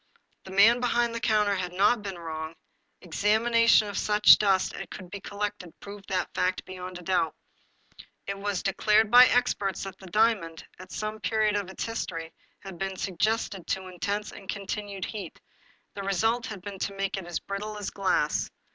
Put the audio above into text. The man behind the counter had not been wrong; examination of such dust as could be collected proved that fact beyond a doubt. It was de clared by experts that the diamond, at some period of its history, had been subjected to intense and continuing heat. The result had been to make it as brittle as glass.